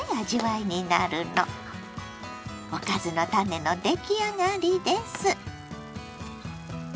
おかずのタネの出来上がりです。